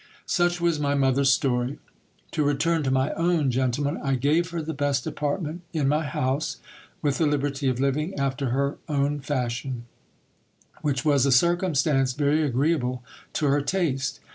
Such was my mother's story. To return to my own, gentlemen, I gave her the best apartment in my house, with the liberty of living after her own fashion ; which was a circumstance very agreeable to her taste.